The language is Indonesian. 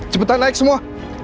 cepetan naik semua